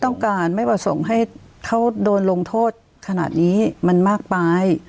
ต้องการไม่ประสงค์ให้เขาโดนลงโทษขนาดนี้มันมากไป